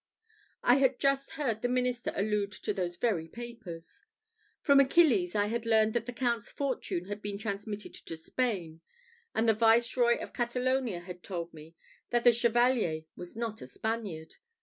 I had just heard the minister allude to those very papers. From Achilles I had learned that the Count's fortune had been transmitted to Spain; and the Viceroy of Catalonia had told me that the Chevalier was not a Spaniard.